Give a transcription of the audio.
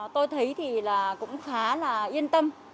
tôi thấy thì là cũng khá là yên tâm